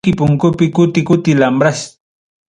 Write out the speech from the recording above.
Wasiki punkupi kuti kuti lambras.